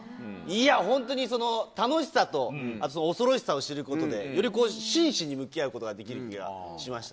いや、本当に楽しさと、あと恐ろしさを知ることで、より真摯に向き合うことができる気がしました。